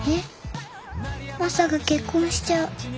マサが結婚しちゃう。